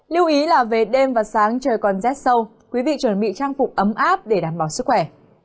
lưu ý là về đêm và sáng trời còn rét sâu quý vị chuẩn bị trang phục ấm áp để đảm bảo sức khỏe